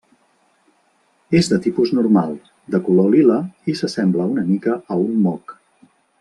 És de tipus normal, de color lila i s'assembla una mica a un moc.